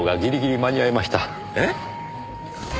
えっ？